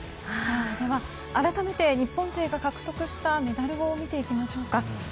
改めて日本勢が獲得したメダルを見ていきましょうか。